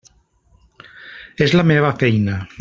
És la meva feina.